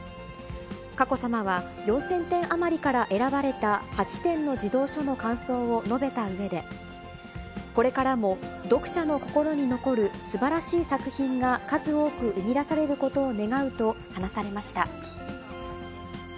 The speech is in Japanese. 佳子さまは、４０００点余りから選ばれた、８点の児童書の感想を述べたうえで、これからも読者の心に残るすばらしい作品が数多く生み出されることを願うと話されました。